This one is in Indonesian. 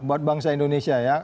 buat bangsa indonesia ya